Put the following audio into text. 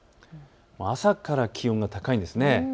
朝から気温が高いんです。